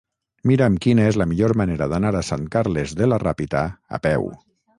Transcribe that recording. Mira'm quina és la millor manera d'anar a Sant Carles de la Ràpita a peu.